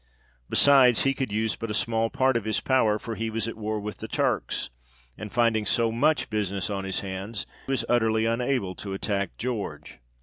Besides, he could use but a small part of his power, for he was at war with the Turks, and finding so much business on his hands, was utterly unable to attack George.